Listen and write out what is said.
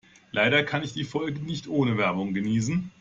Leider kann ich die Folgen nicht ohne Werbung genießen.